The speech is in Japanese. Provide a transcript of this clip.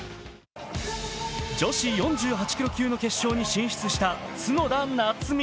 女子４８キロ級の決勝に進出した角田夏実。